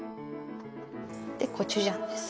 でコチュジャンです。